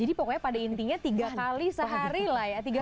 jadi pokoknya pada intinya tiga kali sehari lah ya